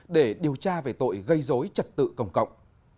để điều tra về tội gây dối trật tự công cộng